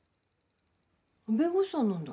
弁護士さんなんだ。